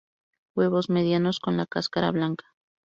Huevos medianos con la cáscara blanca.